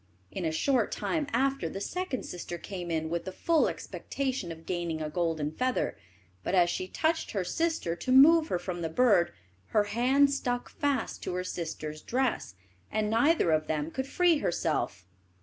In a short time after the second sister came in with the full expectation of gaining a golden feather, but as she touched her sister to move her from the bird, her hand stuck fast to her sister's dress, and neither of them could free herself.